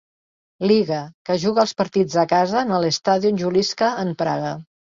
Liga, que juga els partits a casa en el Stadion Juliska en Praga.